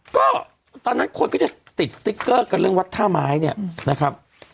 ก็ตอนนั้นคนก็จะติดสติ๊กเกอร์กันเรื่องวัดท่าไม้เนี่ยนะครับ